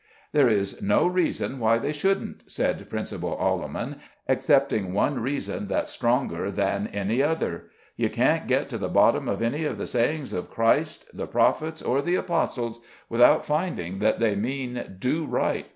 "There is no reason why they shouldn't," said Principal Alleman, "excepting one reason that's stronger than any other. You can't get to the bottom of any of the sayings of Christ, the Prophets or the Apostles, without finding that they mean, Do Right.